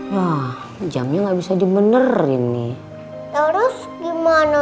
ya jamnya nggak bisa dimenerin nih terus gimana